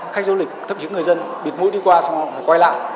khách du lịch thấp chứng người dân biệt mũi đi qua xong họ quay lại